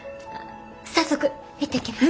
早速行ってきます。